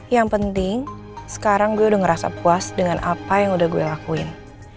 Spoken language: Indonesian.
yang penting sekarang gue udah ngerasa puas dengan apa yang udah gue lakuin